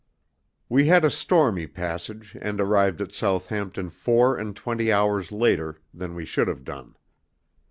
We had a stormy passage, and arrived at Southampton four and twenty hours later than we should have done.